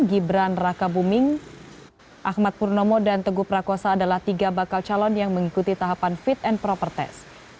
gibran raka buming ahmad purnomo dan teguh prakosa adalah tiga bakal calon yang mengikuti tahapan fit and proper test